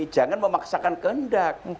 jangan memaksakan kendak